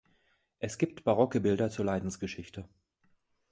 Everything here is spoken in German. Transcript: Es gibt barocke Bilder zur Leidensgeschichte.